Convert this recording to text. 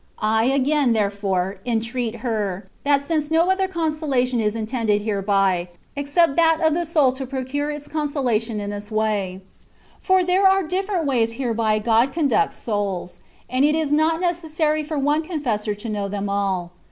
I again, therefore, entreat her, that since no other consolation is intended hereby, except that of the soul to procure its consolation in this way; for *" G^te de espiritu y letras." THE WAY OP PERFECTION. 27 there are different ways whereby God conducts souls^ and it is not necessary for one confessor to know them all.